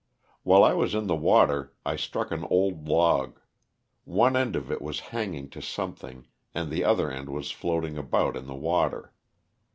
While I was in the water I struck an old log; one end of it was hanging to something and the other end was floating about in the water.